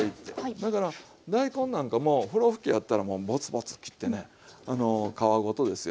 だから大根なんかもふろふきやったらもうボツボツ切ってね皮ごとですよ。